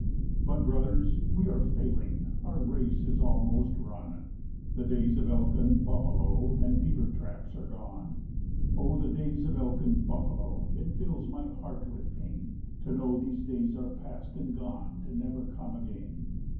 But brothers, we are failing, Our race is almost run; The days of elk and buffalo And beaver traps are gone Oh, the days of elk and buffalo! It fills my heart with pain To know these days are past and gone To never come again.